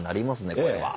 これは。